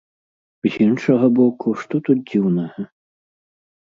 З іншага боку, што тут дзіўнага?